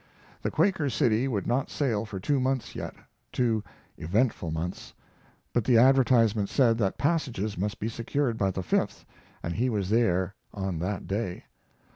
The Quaker City would not sail for two months yet (two eventful months), but the advertisement said that passages must be secured by the 5th, and he was there on that day.